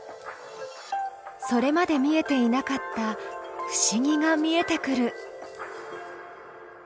それまで見えていなかった不思議が見えてくる。